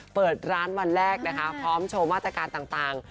เปิดร้านวันแรกนะคะพร้อมโชว์มาตรการต่าง